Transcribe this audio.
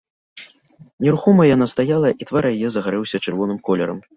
Нерухомая яна стаяла, і твар яе загарэўся чырвоным колерам.